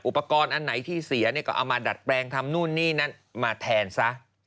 อุปกรณ์อันไหนที่เสียเนี่ยก็เอามาดัดแปลงทำนู่นนี่นั่นมาแทนซะ